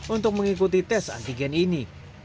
untuk mengikuti tes antigen ini